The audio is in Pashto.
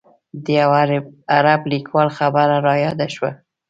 د یوه عرب لیکوال خبره رایاده شوه.